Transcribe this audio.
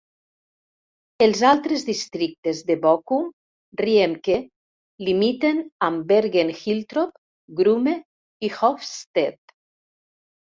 Els altres districtes de Bochum, Riemke limiten amb Bergen-Hiltrop, Grumme i Hofstede.